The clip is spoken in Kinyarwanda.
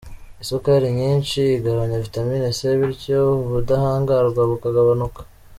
Isukari nyinshi igabanya vitamini C, bityo ubudahangarwa bukagabanuka .